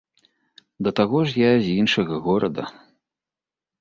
Да таго ж, я з іншага горада.